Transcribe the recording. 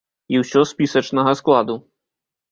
І ўсё спісачнага складу.